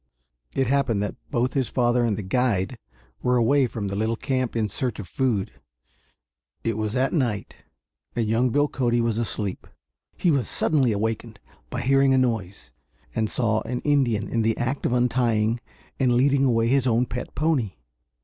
It happened that both his father and the guide were away from the little camp in search of food. It was at night and young Bill Cody was asleep. He was suddenly awakened by hearing a noise, and saw an Indian in the act of untying and leading away his own pet pony.